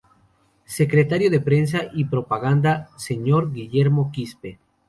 Secretario de Prensa y Propaganda: Sr. Guillermo Quispe.